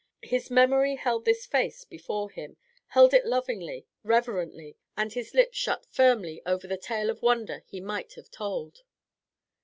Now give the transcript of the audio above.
His memory held this face before him, held it lovingly, reverently, and his lips shut firmly over the tale of wonder he might have told.